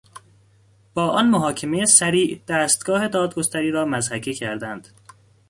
با آن محاکمهی سریع دستگاه دادگستری را مضحکه کردند.